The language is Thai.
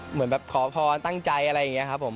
เหมือนแบบขอพรตั้งใจอะไรอย่างนี้ครับผม